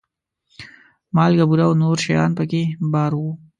مالګه، بوره او نور شیان په کې بار وو.